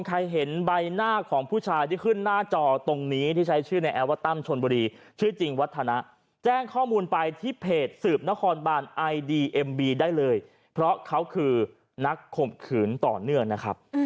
ใครเห็นใบหน้าของผู้ชายที่ขึ้นหน้าจอตรงนี้